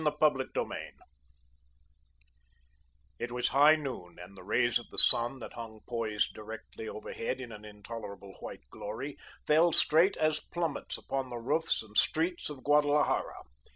CHAPTER VI It was high noon, and the rays of the sun, that hung poised directly overhead in an intolerable white glory, fell straight as plummets upon the roofs and streets of Guadalajara.